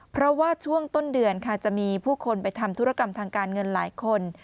เพราะว่าช่วงต้นเดือนค่ะจะมีผู้คนไปทำธุรกรรมทางการเงินหลายคน